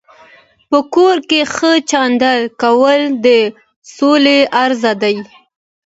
په کور کې ښه چلند کول د سولې راز دی.